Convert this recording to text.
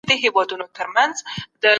که يو چا ناحقه قتل جائز باله، کافر سو